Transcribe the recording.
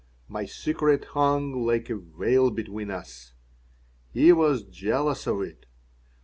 My secret hung like a veil between us. He was jealous of it.